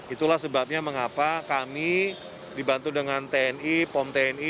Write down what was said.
itulah sebabnya mengapa kami dibantu dengan tni pom tni